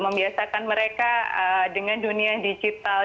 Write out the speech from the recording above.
membiasakan mereka dengan dunia digital